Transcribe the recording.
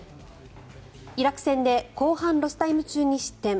イラク戦で後半ロスタイム中に失点。